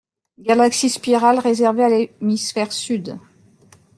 Galaxie spirale réservée à l'hémisphère sud.